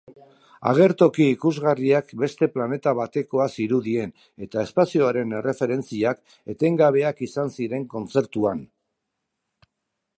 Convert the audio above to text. Agertoki ikusgarriak beste planeta batekoa zirudien eta espazioaren erreferentziak etengabeak izan ziren kontzertuan.